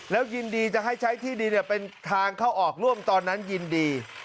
แล้วยินดีจะให้ใช้ที่ดินเป็นทางเข้าออกร่วมตอนนั้นยินดี